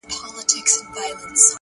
هره ورځ لا جرګې کېږي د مېږیانو٫